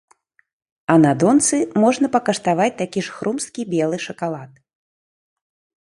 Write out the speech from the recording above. А на донцы можна пакаштаваць такі ж хрумсткі белы шакалад.